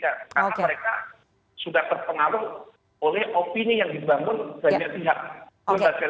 karena mereka sudah terpengaruh oleh opini yang dibangun banyak pihak